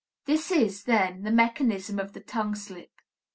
_ This is, then, the mechanism of the tongue slip.